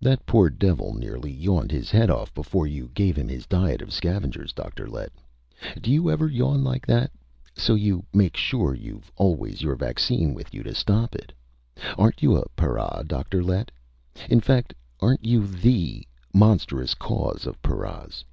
"That poor devil nearly yawned his head off before you gave him his diet of scavengers, Dr. Lett. Do you ever yawn like that ... so you make sure you've always your vaccine with you to stop it? Aren't you a para, Dr. Lett? In fact, aren't you the ... monstrous cause of ... paras?"